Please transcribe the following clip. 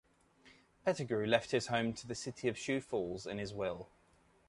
Pettigrew left his home to the city of Sioux Falls in his will.